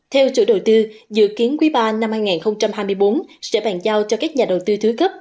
theo chủ đầu tư dự kiến quý ba năm hai nghìn hai mươi bốn sẽ bàn giao cho các nhà đầu tư thứ cấp